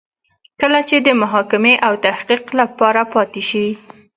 کله چې د محاکمې او تحقیق لپاره پاتې شي.